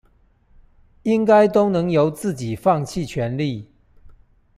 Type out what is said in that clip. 應該都能由自己放棄權力